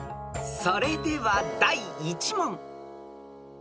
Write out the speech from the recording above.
［それでは第１問］